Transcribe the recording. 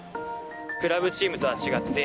クラブチームとは違って